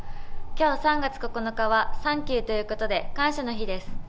今日、３月９日はサンキューということで感謝の日です。